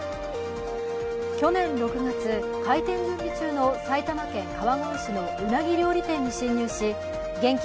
去年６月、開店準備中の埼玉県川越市のうなぎ料理店に侵入し現金